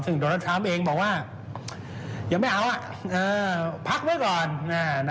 ซึ่งโดนัลดทรัมป์เองบอกว่ายังไม่เอาพักไว้ก่อน